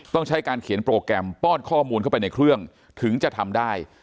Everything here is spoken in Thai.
ต้องใช้การเขียนโปรแกรมป้อนข้อมูลเข้าไปในเครื่องถึงจะทำได้